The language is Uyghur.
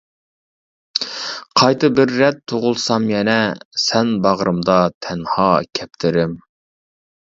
قايتا بىر رەت تۇغۇلسام يەنە، سەن باغرىمدا تەنھا كەپتىرىم.